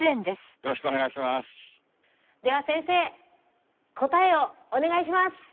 では先生答えをお願いします。